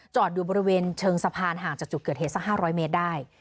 อยู่บริเวณเชิงสะพานห่างจากจุดเกิดเหตุสัก๕๐๐เมตรได้